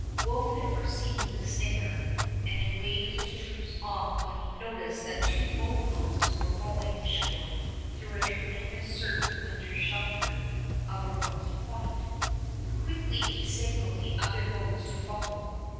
Wolfe had foreseen the snare and had waved his troops off when he noticed that two boat loads were rowing ashore through a tremendous surf under shelter of a rocky point. Quickly he signaled the other boats to follow.